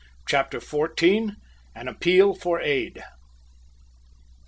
CHAPTER FOURTEEN. AN APPEAL FOR AID.